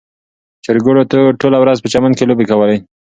چرګوړو ټوله ورځ په چمن کې لوبې کولې.